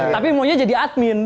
tapi maunya jadi admin